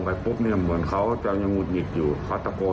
แล้วก็ไม่กังวลหรอกนะ